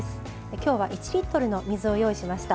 今日は１リットルの水を用意しました。